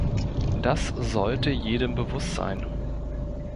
Das sollte jedem bewusst sein.